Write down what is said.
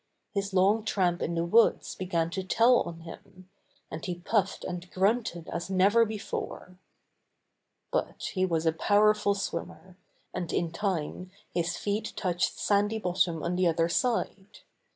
His long tramp in the woods began to tell on him, and he puffed and grunted as never before. But he was a powerful swimmer, and in time his feet touched sandy bottom on the other side.